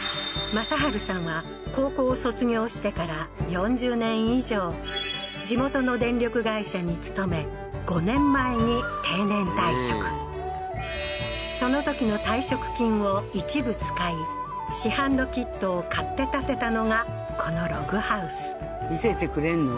雅晴さんは高校を卒業してから４０年以上地元の電力会社に勤めそのときの退職金を一部使い市販のキットを買って建てたのがこのログハウス見せてくれんの？